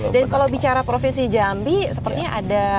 dan kalau bicara provinsi jambi sepertinya ada visi ya